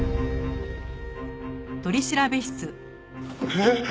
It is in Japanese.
えっ！？